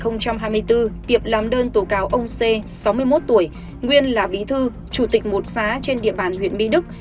năm hai nghìn hai mươi bốn tiệp làm đơn tố cáo ông c sáu mươi một tuổi nguyên là bí thư chủ tịch một xá trên địa bàn huyện mỹ đức